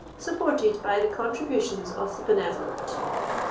Supported by the contributions of the benevolent.